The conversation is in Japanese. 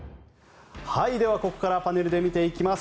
ではここからパネルで見ていきます。